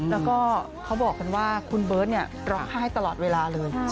แล้วก็เขาบอกกันว่าคุณเบิร์ตร้องไห้ตลอดเวลาเลย